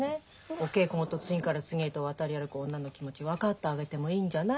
お稽古事次から次へと渡り歩く女の気持ち分かってあげてもいいんじゃない？